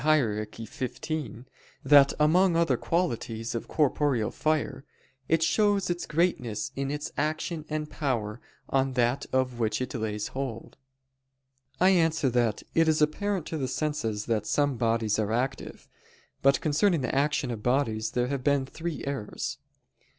Hier. xv) that among other qualities of corporeal fire, "it shows its greatness in its action and power on that of which it lays hold." I answer that, It is apparent to the senses that some bodies are active. But concerning the action of bodies there have been three errors.